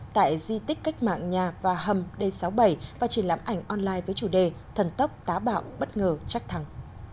tại di tích cách mạng nhà và hầm d sáu mươi bảy và triển lãm ảnh online với chủ đề thần tốc tá bạo bất ngờ chắc thẳng